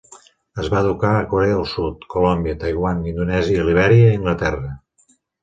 Es va educar a Corea del Sud, Colòmbia, Taiwan, Indonèsia, Libèria i Anglaterra.